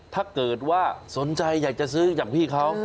ถ้าเกิดว่าสนใจอยากจะซื้อจากพี่เขา